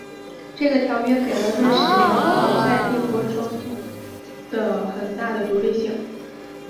这个条约给了瑞士邦联在帝国中的很大的独立性。